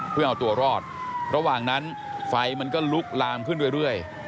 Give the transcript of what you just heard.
เพื่อเอาตัวรอดระหว่างนั้นไฟมันก็ลุกลามขึ้นเรื่อย